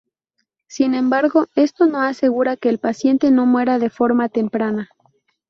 Sin embargo, esto no asegura que el paciente no muera de forma temprana.